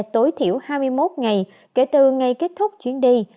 tối thiểu hai mươi một ngày kể từ ngày kết thúc chuyến đi